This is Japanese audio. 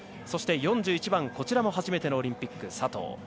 そして、４１番、こちらも初めてのオリンピック佐藤。